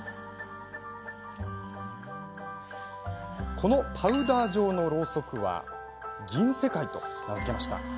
このパウダー状のろうそくは「銀世界」と名付けました。